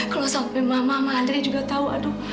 kalau sampai mama mama andre juga tahu